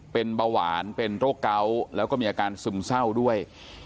เป็นเบาหวานเป็นโรคเกาะแล้วก็มีอาการซึมเศร้าด้วย